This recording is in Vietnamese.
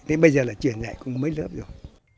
thế bây giờ là truyền dạy cũng mất lớp rồi